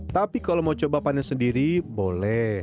tapi kalau mau coba panen sendiri boleh